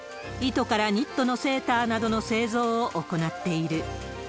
糸からニットセーターなどの製造を行っている。